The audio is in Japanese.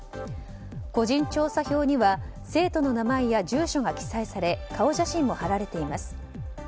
個人調査票には生徒の名前や住所が記載され顔写真も貼られています。